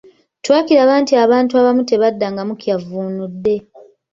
Twakiraba nti abaana abamu tebaddangamu kyavvuunudde.